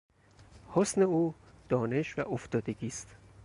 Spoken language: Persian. حسن او دانش و افتادگی است.